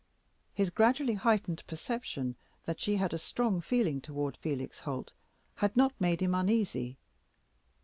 His gradually heightened perception that she had a strong feeling toward Felix Holt had not made him uneasy.